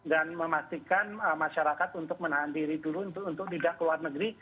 dan memastikan masyarakat untuk menahan diri dulu untuk tidak keluar negeri